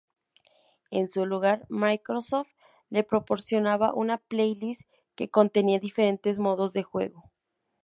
En su lugar, Microsoft les proporcionaba una "playlist", que contenía diferentes modos de juego.